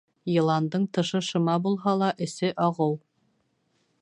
Йыландың тышы шыма булһа ла, эсе ағыу.